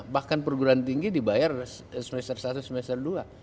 bahkan perguruan tinggi dibayar semester satu semester dua